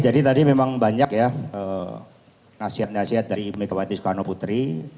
jadi tadi memang banyak ya nasihat nasihat dari ibu megawati soekarno putri